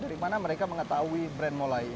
dari mana mereka mengetahui brand molai ini